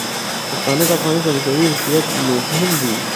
پښتانه د افغانستان د مساوي حیثیت مفهوم دي.